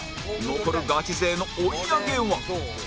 残るガチ勢の追い上げは？